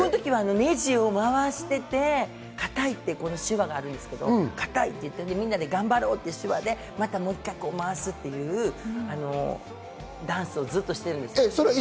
ねじを回して叩くっていう手話があるんですけど、みんなで頑張ろうという手話でまた回すっていうダンスをずっとしているんです。